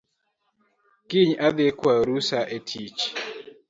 Kiny adhii kwayo rusa e tich